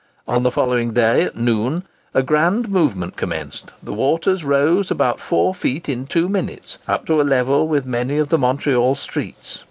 On the following day, at noon, a grand movement commenced; the waters rose about four feet in two minutes, up to a level with many of the Montreal streets.